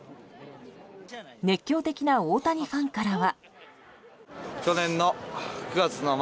熱狂的な大谷ファンからは。